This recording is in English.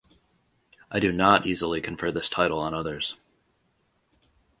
I do not easily confer this title on others.